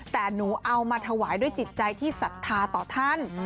แต่หนูเอามาถวายด้วยจิตใจที่ศรัทธาต่อท่าน